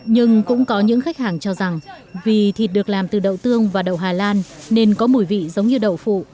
nhưng cũng có những khách hàng cho rằng vì thịt được làm từ đậu tương và đậu hà lan nên có mùi vị giống như đậu phụ